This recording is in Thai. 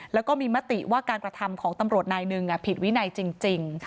แล้วก็มีมติว่าการกระทำของตำรวจนายหนึ่งผิดวินัยจริง